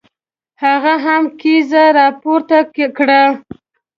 هغه هم کیزه را پورته کړه.